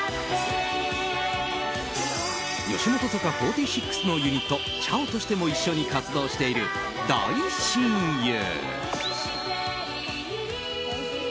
吉本坂４６のユニットＣＨＡＯとしても一緒に活動している大親友。